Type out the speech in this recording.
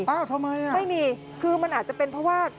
ทำไมไม่มีคือมันอาจจะเป็นเพราะว่า